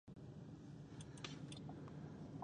د کلیوالو په لانجه کې نن علی ځان مشر او مخته مخته کولو.